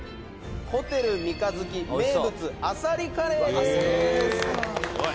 「ホテル三日月名物あさりカレーです！」